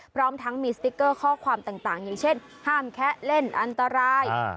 พร้อมทั้งมีสติ๊กเกอร์ข้อความต่างอย่างเช่นห้ามแคะเล่นอันตราย